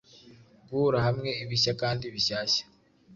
Guhura hamwe Ibishya kandi bishyashya